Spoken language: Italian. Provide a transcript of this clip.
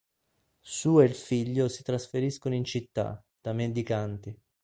Su e il figlio si trasferiscono in città, da mendicanti.